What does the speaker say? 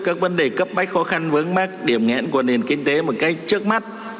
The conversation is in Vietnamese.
các vấn đề cấp bách khó khăn vướng mắt điểm nghẽn của nền kinh tế một cách trước mắt